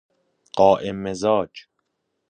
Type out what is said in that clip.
قائم مزاج